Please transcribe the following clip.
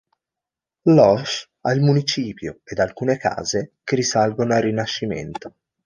Loches ha il municipio ed alcune case che risalgono al Rinascimento.